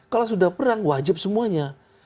kalau sudah perang wajib semuanya